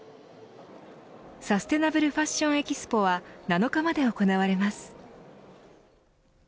サステナブルファッションＥＸＰＯは７日まで行われます。